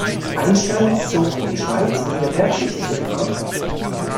Einstein zog in die Schweiz, um der Wehrpflicht zu entkommen.